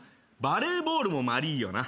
バレーボールもまりーよな。